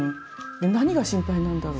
で何が心配なんだろう？